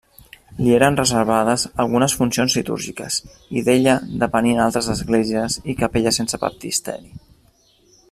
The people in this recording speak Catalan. Li eren reservades algunes funcions litúrgiques, i d'ella depenien altres esglésies i capelles sense baptisteri.